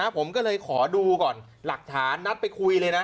ผมก็เลยขอดูก่อนหลักฐานนัดไปคุยเลยนะ